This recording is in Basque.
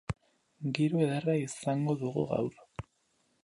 Giro ederra izango dugu gaur.